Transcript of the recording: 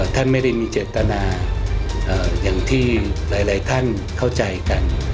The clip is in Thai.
ท่านไม่ได้มีเจตนาอย่างที่หลายท่านเข้าใจกัน